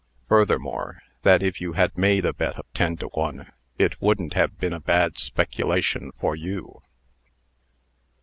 Furthermore, that if you had made a bet of ten to one, it wouldn't have been a bad speculation for you."